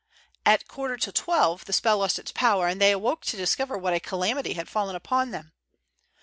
At a quarter to twelve the spell lost its power, and they awoke to discover what a calamity had fallen upon them.